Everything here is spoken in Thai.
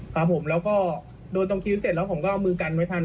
ครับผมแล้วก็โดนตรงคิ้วเสร็จแล้วผมก็เอามือกันไว้ทัน